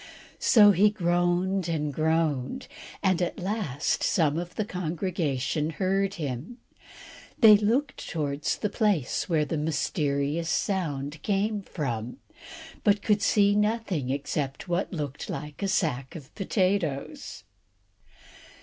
So he groaned and groaned, and at last some of the congregation heard him. They looked towards the place where the mysterious sound came from, but could see nothing except what looked like a sack of potatoes.